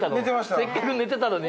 せっかく寝てたのに。